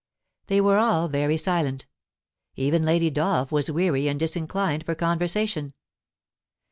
They were all very silent. Even Lady Dolph was weary and disinclined for conversation.